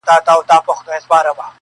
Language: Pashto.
په خبرو کي یې دومره ږغ اوچت کړ-